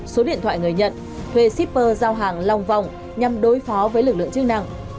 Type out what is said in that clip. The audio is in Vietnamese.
số điện thoại người nhận thuê shipper giao hàng long vòng nhằm đối phó với lực lượng chức năng